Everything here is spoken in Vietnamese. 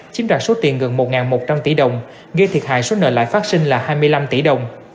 chiếm đoạt số tiền gần một một trăm linh tỷ đồng gây thiệt hại số nợ lại phát sinh là hai mươi năm tỷ đồng